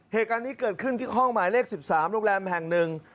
เหตุการณ์นี้เกิดขึ้นที่ห้องหมายเลข๑๓โรงแรมแห่งหนึ่ง